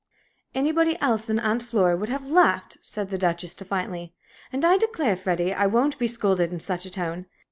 "Anybody else than Aunt Flora would have laughed," said the Duchess, defiantly. "And I declare, Freddie, I won't be scolded in such a tone.